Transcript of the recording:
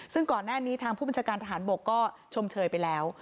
ซึ่งก่อนหน้านี้ทางผู้บัญชาการทหารบกก็ชมเชยไปแล้ว